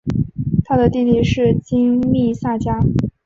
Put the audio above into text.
他的弟弟是金密萨加。